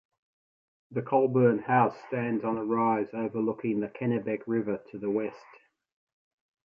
The Colburn House stands on a rise overlooking the Kennebec River to the west.